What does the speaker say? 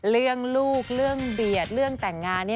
เรื่องลูกเรื่องเบียดเรื่องแต่งงาน